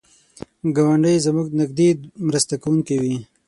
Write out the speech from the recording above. ګاونډی زموږ نږدې مرسته کوونکی وي